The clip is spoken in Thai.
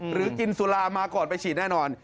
หรือกินสุรามาก่อนไปฉีดแน่นอน